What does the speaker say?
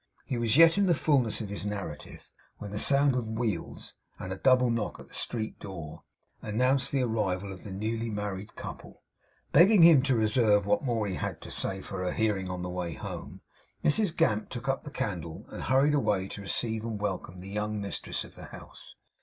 He was yet in the fullness of his narrative when the sound of wheels, and a double knock at the street door, announced the arrival of the newly married couple. Begging him to reserve what more he had to say for her hearing on the way home, Mrs Gamp took up the candle, and hurried away to receive and welcome the young mistress of the house.